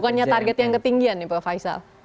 bukannya target yang ketinggian nih pak faisal